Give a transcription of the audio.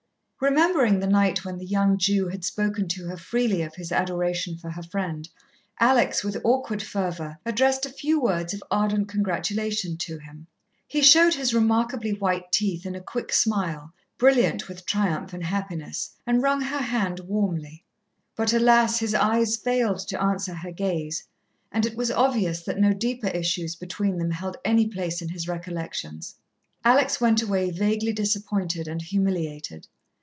Remembering the night when the young Jew had spoken to her freely of his adoration for her friend, Alex, with awkward fervour, addressed a few words of ardent congratulation to him. He showed his remarkably white teeth in a quick smile, brilliant with triumph and happiness, and wrung her hand warmly; but alas! his eyes failed to answer her gaze, and it was obvious that no deeper issues between them held any place in his recollections. Alex went away vaguely disappointed and humiliated.